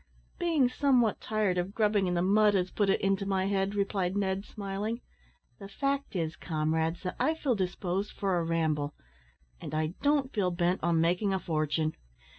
"Being somewhat tired of grubbing in the mud has put it into my head," replied Ned, smiling. "The fact is, comrades, that I feel disposed for a ramble, and I don't feel bent on making a fortune.